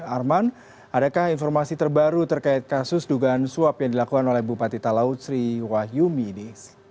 arman adakah informasi terbaru terkait kasus dugaan suap yang dilakukan oleh bupati talaut sri wahyumi ini